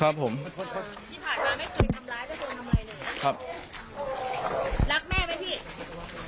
รักแม่ไหมที่